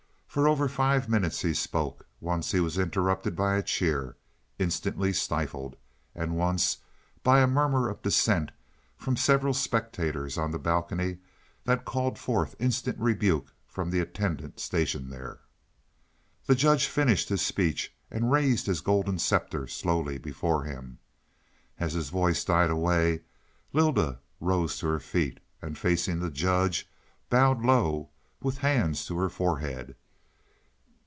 For over five minutes he spoke; once he was interrupted by a cheer, instantly stifled, and once by a murmur of dissent from several spectators on the balcony that called forth instant rebuke from the attendant stationed there. The judge finished his speech, and raised his golden scepter slowly before him. As his voice died away, Lylda rose to her feet and facing the judge bowed low, with hands to her forehead.